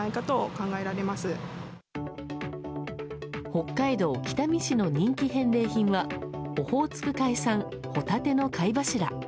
北海道北見市の人気返礼品はオホーツク海産ホタテの貝柱。